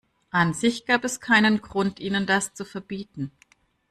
An sich gab es keinen Grund, ihnen das zu verbieten.